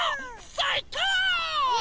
さいこう！